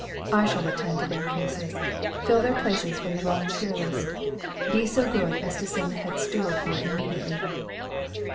I shall attend to their cases. Fill their places from the volunteer list. Be so good as to send the head steward here immediately."